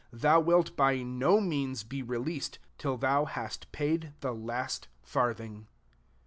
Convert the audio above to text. Thou wilt by no means be released, tiU thou hast paid the last farthing.